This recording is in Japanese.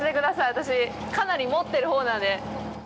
私、かなり持ってるほうなので。